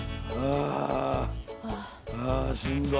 あしんどい！